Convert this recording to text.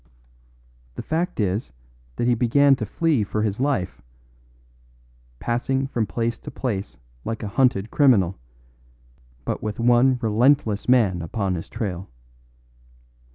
The fact is that he began to flee for his life, passing from place to place like a hunted criminal; but with one relentless man upon his trail.